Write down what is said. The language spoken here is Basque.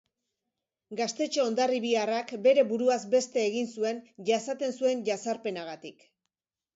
Gaztetxo hondarribiarrak bere buruaz beste egin zuen jasaten zuen jazarpenagatik.